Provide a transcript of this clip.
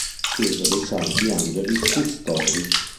Chiesa dei Santi Angeli Custodi